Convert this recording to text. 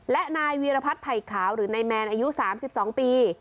และนายวีรพัฒน์ไผ่ขาวหรือนายแมนอายุ๓๒ปี